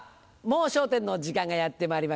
『もう笑点』の時間がやってまいりました。